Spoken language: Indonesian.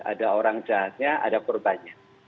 ada orang jahatnya ada korbannya